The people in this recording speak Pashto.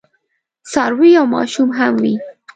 څاروي او ماشوم هم وي.